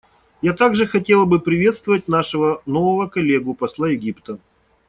Я также хотела бы приветствовать нашего нового коллегу — посла Египта.